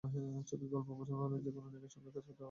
ছবির গল্প পছন্দ হলে যেকোনো নায়িকার সঙ্গেই কাজ করতে আমি রাজি।